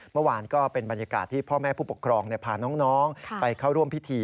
เมื่อวานก็เป็นบรรยากาศที่พ่อแม่ผู้ปกครองพาน้องไปเข้าร่วมพิธี